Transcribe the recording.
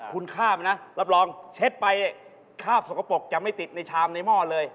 คุณค่ามันนะรับรองเช็ดไปคาบสกปรกจะไม่ติดในชามในหม้อเลย